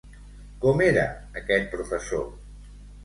Com era aquest professor?